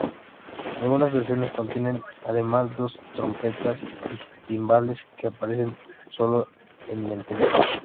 Algunas versiones contienen además dos trompetas y timbales que aparecen sólo en el final.